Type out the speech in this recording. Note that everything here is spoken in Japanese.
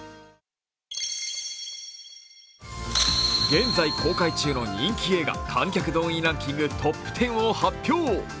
現在公開中の人気映画観客動員ランキングトップ１０を発表。